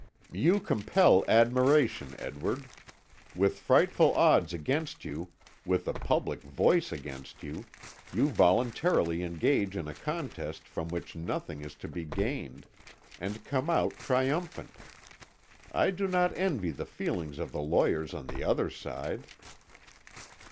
"You compel admiration, Edward. With frightful odds against you, with the public voice against you, you voluntarily engage in a contest from which nothing is to be gained, and come out triumphant. I do not envy the feelings of the lawyers on the other side."